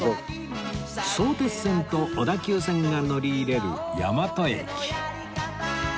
相鉄線と小田急線が乗り入れる大和駅